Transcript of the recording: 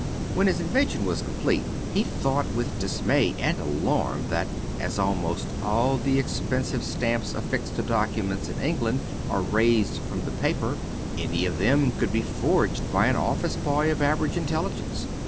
When his invention was complete he thought with dismay and alarm that, as almost all the expensive stamps affixed to documents in England are raised from the paper, any of them could be forged by an office boy of average intelligence.